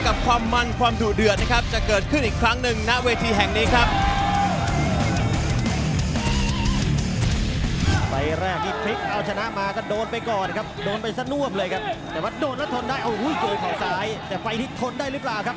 กับความมันความดุเดือดนะครับจะเกิดขึ้นอีกครั้งหนึ่งณเวทีแห่งนี้ครับ